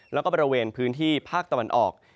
แล้วก็บริเวณพื้นที่ภาคตะวันออก